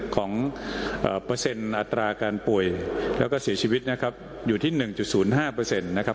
ของเปอร์เซ็นต์อัตราการป่วยแล้วก็เสียชีวิตนะครับอยู่ที่๑๐๕นะครับ